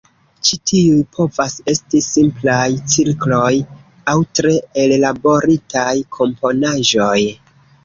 Ĉi tiuj povas esti simplaj cirkloj aŭ tre ellaboritaj komponaĵoj.